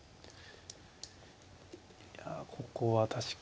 いやここは確かに。